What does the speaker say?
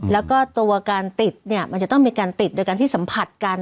แล้วก็ตัวการติดเนี่ยมันจะต้องมีการติดโดยการที่สัมผัสกัน